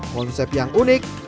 konsep yang unik